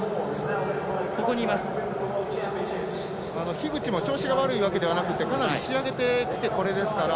樋口も調子が悪いわけではなくてかなり仕上げてきてこれですから。